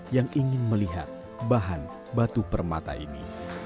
yang ingin melihat bahan batu permata ini